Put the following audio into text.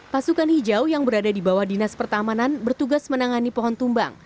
pasukan hijau yang berada di bawah dinas pertamanan bertugas menangani pohon tumbang